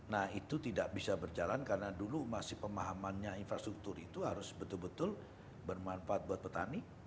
nah itu tidak bisa berjalan karena dulu masih pemahamannya infrastruktur itu harus betul betul bermanfaat buat petani